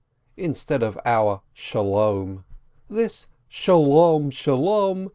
instead of our Sholom. This "Shalom! Shalom !"